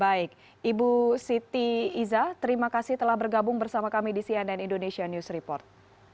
baik ibu siti iza terima kasih telah bergabung bersama kami di cnn indonesia news report